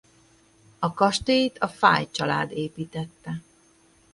A kastélyt a Fáy család építette.